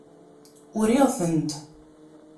Uriɣ-tent.